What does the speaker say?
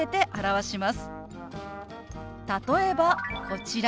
例えばこちら。